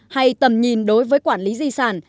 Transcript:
hay tầm nhìn đối với quản lý di sản